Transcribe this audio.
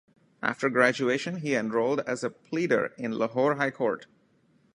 After graduation, he enrolled as a Pleader in Lahore High Court.